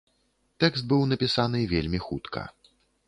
Тэкст быў напісаны вельмі хутка.